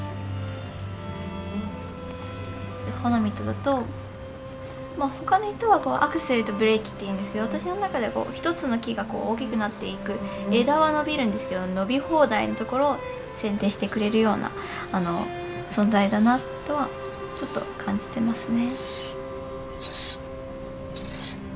好とだと他の人はアクセルとブレーキっていうんですけど私の中では一つの木が大きくなっていく枝は伸びるんですけど伸び放題のところを剪定してくれるような存在だなとはちょっと感じてますね。